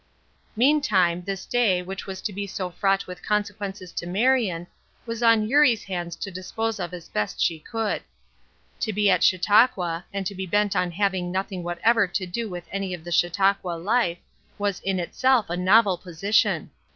Meantime, this day, which was to be so fraught with consequences to Marion, was on Eurie's hands to dispose of as best she could. To be at Chautauqua, and to be bent on having nothing whatever to do with any of the Chautauqua life, was in itself a novel position.